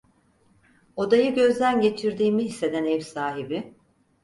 Odayı gözden geçirdiğimi hisseden ev sahibi: